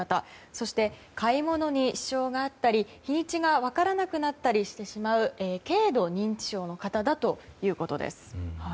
そして、買い物に支障があったり日にちが分からなくなったりしてしまう軽度認知症の方だということです。